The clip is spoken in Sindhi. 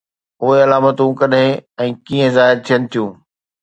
اهي علامتون ڪڏهن ۽ ڪيئن ظاهر ٿين ٿيون؟